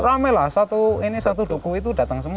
rame lah satu duku itu datang semua